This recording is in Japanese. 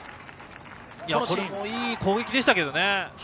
これもいい攻撃でしたけどね。